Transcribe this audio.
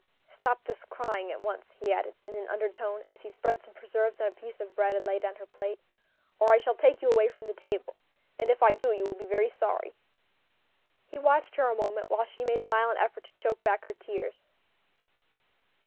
Stop this crying at once," he added, in an undertone, as he spread some preserves on a piece of bread and laid it on her plate, "or I shall take you away from the table, and if I do, you will be very sorry." He watched her a moment while she made a violent effort to choke back her tears.